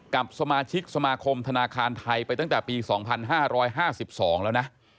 กับสมาชิกสมาคมธนาคารไทยไปตั้งแต่ปี๒๕๕๒แล้วนะ